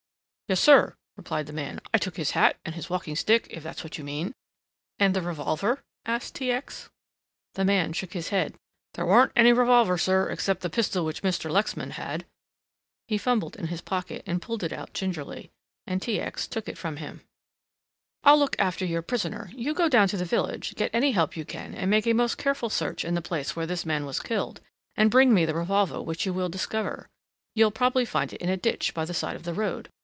"Yes, sir," replied the man, "I took his hat and his walkingstick, if that's what you mean." "And the revolver!" asked T. X. The man shook his head. "There warn't any revolver, sir, except the pistol which Mr. Lexman had." He fumbled in his pocket and pulled it out gingerly, and T. X. took it from him. "I'll look after your prisoner; you go down to the village, get any help you can and make a most careful search in the place where this man was killed and bring me the revolver which you will discover. You'll probably find it in a ditch by the side of the road.